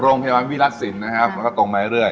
โรงพยาบาลวิทยาศิลป์นะครับมันก็ตรงไปเรื่อย